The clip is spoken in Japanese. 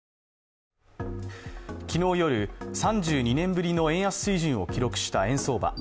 昨日夜、３２年ぶりの円安水準を記録した円相場。